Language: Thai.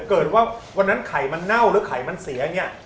เกิดว่าวันนั้นไข่มันเน่าหรือไข่มันเสียเนี่ย